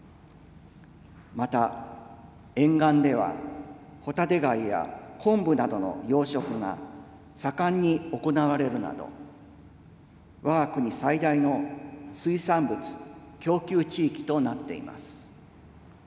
また、沿岸では、ホタテガイやコンブなどの養殖が盛んに行われるなど、我が国最大の水産物供給地域となっています。